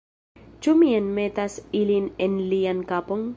Ĉu mi enmetas ilin en lian kapon?